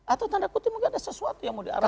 atau tanda kutip mungkin ada sesuatu yang mau diarahkan